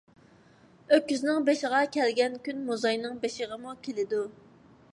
ئۆكۈزنىڭ بېشىغا كەلگەن كۈن موزاينىڭ بېشىغىمۇ كېلىدۇ.